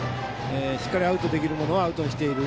しっかりアウトにできるものはアウトにしている。